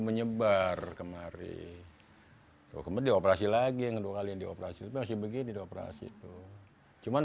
menyebar kemari kemudian operasi lagi nge dua kalian dioperasi masih begini doper asyik cuman